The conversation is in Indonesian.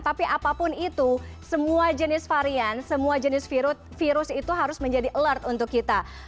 tapi apapun itu semua jenis varian semua jenis virus itu harus menjadi alert untuk kita